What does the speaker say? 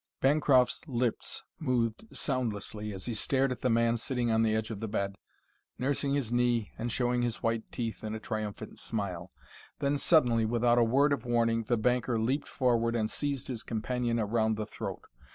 Bancroft's lips moved soundlessly as he stared at the man sitting on the edge of the bed, nursing his knee and showing his white teeth in a triumphant smile. Then, suddenly, without a word of warning, the banker leaped forward and seized his companion around the throat.